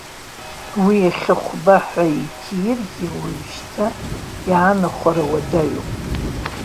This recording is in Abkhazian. Уи иахьа хәба ҳәа иҭиргьы, уажәшьҭа иаанахәара уадаҩуп.